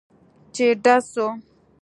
چې ډز سو.